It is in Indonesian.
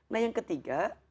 nah yang ketiga